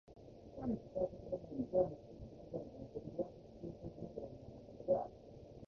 単に機械的でもなく、合目的的でもなく、イデヤ的形成でなければならないのである。